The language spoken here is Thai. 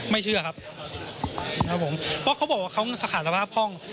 เชื่อครับนะครับผมเพราะเขาบอกว่าเขาสะขาดสภาพคล่อง